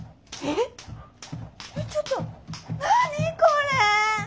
⁉えちょっと何これェ？